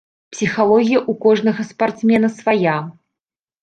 Псіхалогія ў кожнага спартсмена свая.